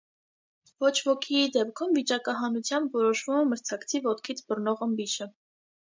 Ոչ ոքիի դեպքում վիճակահանությամբ որոշվում է մրցակցի ոտքից բռնող ըմբիշը։